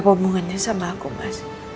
hubungannya sama aku mas